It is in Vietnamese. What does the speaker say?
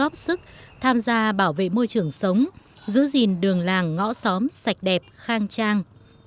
góp sức tham gia bảo vệ môi trường sống giữ gìn đường làng ngõ xóm sạch đẹp khang trang